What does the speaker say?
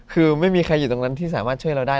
คือไม่มีใครอยู่ตรงนั้นที่สามารถช่วยเราได้